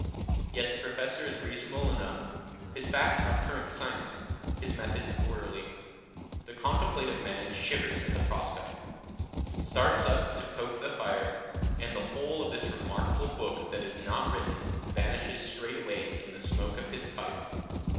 Yet the Professor is reasonable enough, his facts are current science, his methods orderly. The contemplative man shivers at the prospect, starts up to poke the fire, and the whole of this remarkable book that is not written vanishes straightway in the smoke of his pipe.